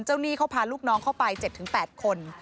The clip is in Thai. หนี้เขาพาลูกน้องเข้าไป๗๘คน